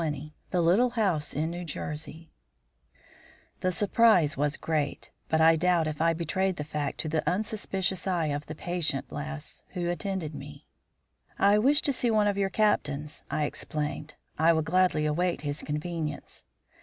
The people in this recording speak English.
XX THE LITTLE HOUSE IN NEW JERSEY The surprise was great, but I doubt if I betrayed the fact to the unsuspicious eye of the patient lass who attended me. "I wish to see one of your captains," I explained. "I will gladly await his convenience."